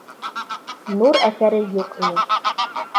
Нур әҫәре юҡ ине.